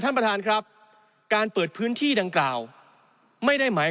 ท่านประธานครับการเปิดพื้นที่ดังกล่าวไม่ได้หมาย